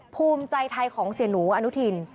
ภูมิใจไทยของเสียหนูอนุทิน